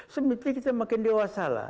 semeti kita makin dewasa lah